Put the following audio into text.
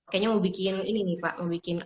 kayaknya mau bikin ini nih pak mau bikin